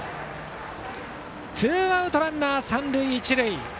ツーアウトランナー、三塁一塁。